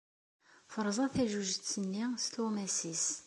Terẓa tajujet-nni s tuɣmas-nnes.